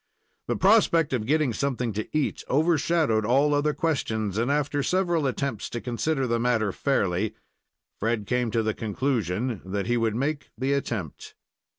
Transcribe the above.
The prospect of getting something to eat overshadowed all other questions, and after several attempts to consider the matter fairly, Fred came to the conclusion that he would make the attempt.